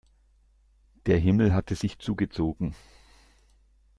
Der Himmel hatte sich zugezogen.